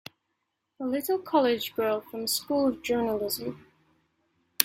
A little college girl from a School of Journalism!